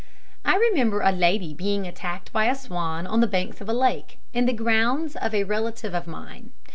I remember a lady being attacked by a swan on the banks of a lake, in the grounds of a relative of mine.